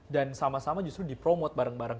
dan sama sama justru dipromosikan bareng bareng